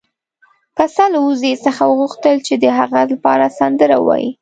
پسه له وزې څخه وغوښتل چې د هغه لپاره سندره ووايي.